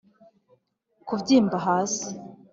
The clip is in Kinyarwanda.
kubyimba hasi;